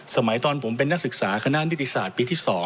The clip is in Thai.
สมัยตอนผมเป็นนักศึกษาคณะนิติศาสตร์ปีที่๒